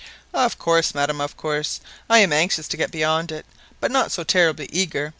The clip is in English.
"Of course, madam, of course I am anxious to get beyond it, but not so terribly eager.